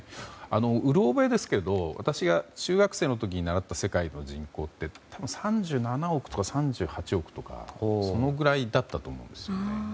うろ覚えですが私が中学生の時に習った世界の人口って、多分３７億とか３８億とか、そのぐらいだったと思うんですよね。